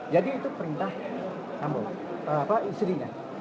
jadi itu perintah istrinya